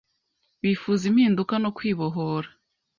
bifuza impinduka no kwibohora,